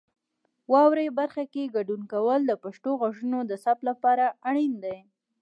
واورئ برخه کې ګډون کول د پښتو غږونو د ثبت لپاره اړین دي.